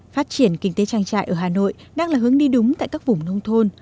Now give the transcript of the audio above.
phát triển kinh tế trang trại ở hà nội đang là hướng đi đúng tại các vùng nông thôn